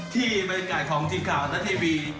ที่บรรยากาศของทีมข่าวสต้าทีวี